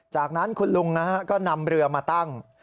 จากนั้นคุณลุงก็นำเรือมาตั้ง